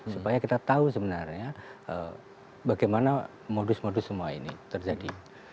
supaya kita tahu sebenarnya bagaimana modus modus semua ini terjadi